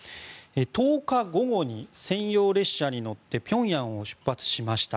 １０日午後に専用列車に乗って平壌を出発しました。